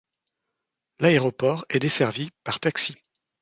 L'aéroport est desservi par taxi.